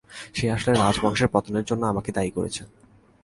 সে আসলে রাজবংশের পতনের জন্যে আমাকে দায়ী করেছে।